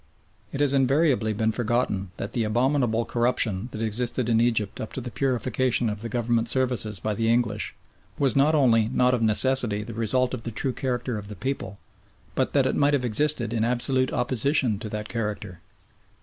It has invariably been forgotten that the abominable corruption that existed in Egypt up to the purification of the Government services by the English was not only not of necessity the result of the true character of the people, but that it might have existed in absolute opposition to that character.